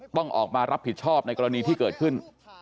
ต้องออกมารับผิดชอบในกรณีที่เกิดขึ้น